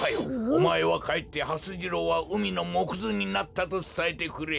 おまえはかえってはす次郎はうみのもくずになったとつたえてくれ。